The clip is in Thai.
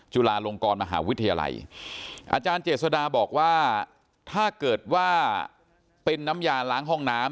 จุฬาลงกรมหาวิทยาลัยอาจารย์เจษดาบอกว่าถ้าเกิดว่าเป็นน้ำยาล้างห้องน้ำ